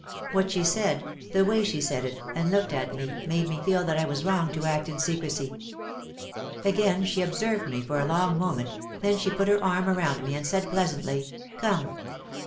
What she said, the way she said it and looked at me made me feel that I was wrong to act in secrecy. Again she observed me for a long mo ment, then she put her arm around me and said pleas antly, "Come!"